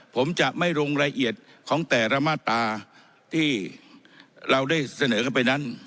ผมจะไม่ลงรายละเอียดของแต่ละมาตราที่เราได้เสนอกันไปนั้น